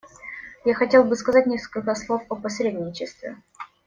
Я хотел бы сказать несколько слов о посредничестве.